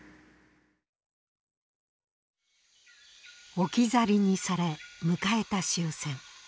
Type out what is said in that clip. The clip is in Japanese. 置き去りにされ迎えた終戦。